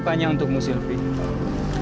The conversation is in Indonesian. bukannya untukmu sylvie